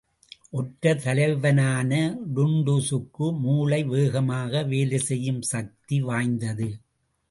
ஒற்றர் தலைவனான டுன்டுஷுக்கு மூளை வேகமாக வேலைசெய்யும் சக்தி வாய்ந்தது.